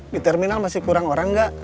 di terminal masih kurang orang nggak